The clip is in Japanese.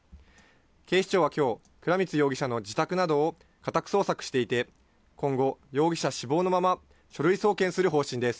警視庁はきょう、倉光容疑者の自宅などを家宅捜索していて、今後、容疑者死亡のまま書類送検する方針です。